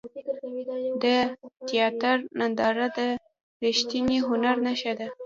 د تیاتر ننداره د ریښتیني هنر نښه ده.